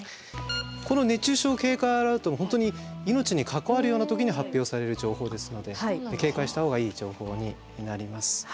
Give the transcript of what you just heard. この熱中症警戒アラートは本当に命に関わるような時に発表される情報ですので警戒したほうがいい情報になります。